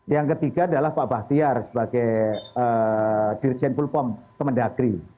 yang ketiga adalah pak bahtiar sebagai dirjen pulpom kemendagri